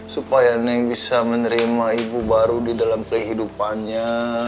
supaya neng bisa menerima ibu baru di dalam kehidupannya